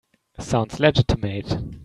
Sounds legitimate.